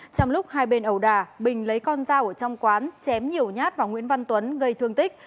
trong lúc hai bên ẩu đà bình lấy con dao ở trong quán chém nhiều nhát vào nguyễn văn tuấn gây thương tích